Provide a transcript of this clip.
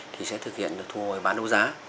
thì sẽ thực hiện thu hồi bán đấu giá